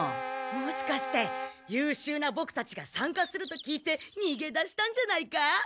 もしかして優秀なボクたちがさんかすると聞いてにげ出したんじゃないか？